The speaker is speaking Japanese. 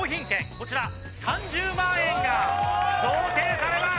こちら３０万円が贈呈されます！